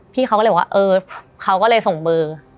พี่เขาก็เลยบอกว่าเออเขาก็เลยส่งเบอร์